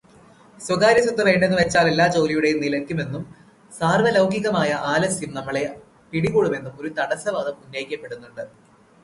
സ്വകാര്യസ്വത്ത് വേണ്ടെന്നുവച്ചാൽ എല്ലാ ജോലിയുടെ നിലയ്ക്കുമെന്നും സാർവ്വലൗകികമായ ആലസ്യം നമ്മെ പിടികൂടുമെന്നും ഒരു തടസ്സവാദം ഉന്നയിക്കപ്പെടുന്നുണ്ട്.